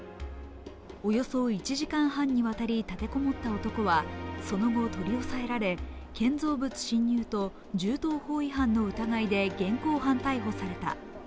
およそ１時間半にわたり立てこもった男はその後取り押さえられ建造物侵入と銃刀法違反の疑いで現行犯逮捕された。